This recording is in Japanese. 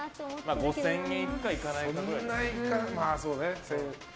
５０００円いくかいかないかかな？